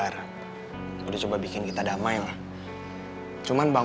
ya dia baiknya sama lo doang kan